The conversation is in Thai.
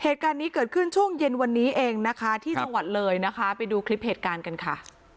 เหตุการณ์นี้เกิดขึ้นช่วงเย็นวันนี้เองนะคะที่จังหวัดเลยนะคะไปดูคลิปเหตุการณ์กันค่ะ